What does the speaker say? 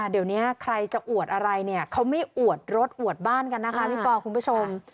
เดี๋ยวนี้ใครจะอวดอะไรเนี่ยเขาไม่อวดรถอวดบ้านกันนะคะพี่ปอคุณผู้ชม